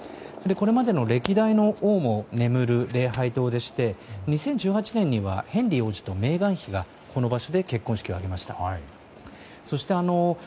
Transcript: これまでの歴代の王も眠る礼拝堂でして、２０１８年にはヘンリー王子とメーガン妃がこの場所で結婚式を挙げました。